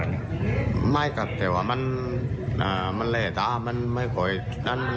อันนี้ไม่ครับแต่ว่ามันอ่ามันแร่ตามันไม่ค่อยนั่น